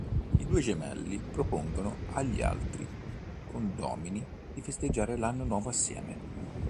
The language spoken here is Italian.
I due gemelli propongono agli altri condomini di festeggiare l'anno nuovo assieme.